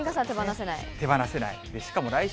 手離せない。